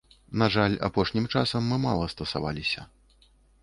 На жаль, апошнім часам мы мала стасаваліся.